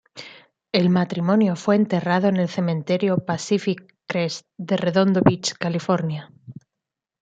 El matrimonio fue enterrado en el Cementerio Pacific Crest de Redondo Beach, California.